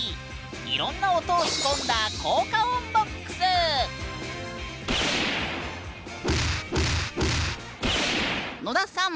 いろんな音を仕込んだ野田さん